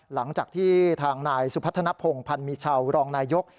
หลังจากที่ทางนายสุพัฒนภงพันธ์มีชาวรองนายก